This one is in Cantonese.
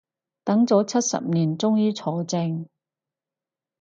等咗七十年終於坐正